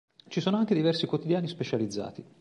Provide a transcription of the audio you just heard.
Ci sono anche diversi quotidiani specializzati.